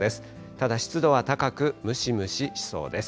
ただ湿度は高く、ムシムシしそうです。